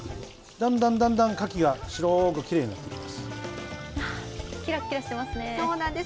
だんだんだんだんカキが白くきれいになってきます。